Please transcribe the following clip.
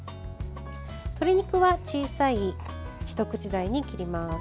鶏肉は小さい一口大に切ります。